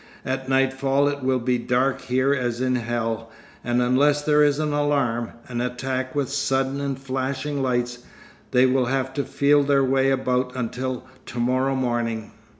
At nightfall it will be as dark here as in hell, and unless there is an alarm, an attack with sudden and flashing lights, they will have to feel their way about until to morrow morning.